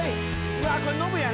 うわこれノブやな。